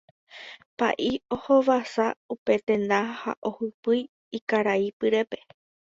Pa'i ohovasa upe tenda ha ohypýi ykaraipyrépe.